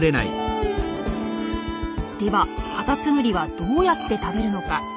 ではカタツムリはどうやって食べるのか？